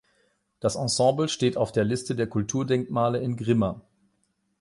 Das Ensemble steht auf der Liste der Kulturdenkmale in Grimma.